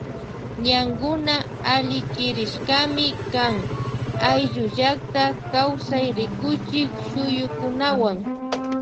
Ñañnkuna allichirishkami kan ayllu llakta kawsay rikuchik shuyukunawan.